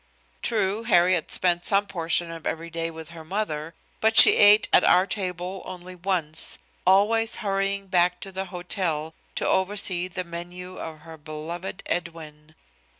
True, Harriet spent some portion of every day with her mother, but she ate at our table only once, always hurrying back to the hotel to oversee the menu of her beloved Edwin.